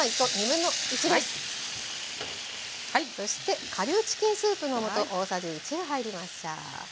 そして顆粒チキンスープの素大さじ１が入りました。